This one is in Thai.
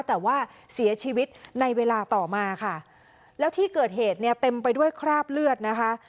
แต่ว่าเสียชีวิตในเวลาต่อมาค่ะแล้วที่เกิดเหตุเนี่ยเต็มไปด้วยคราบเลือดนะคะ